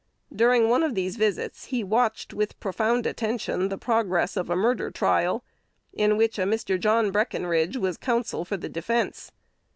During one of these visits he watched, with profound attention, the progress of a murder trial, in which a Mr. John Breckenridge was counsel for the defence.